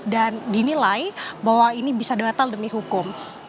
dan dinilai bahwa ini bisa diwatal demi hukum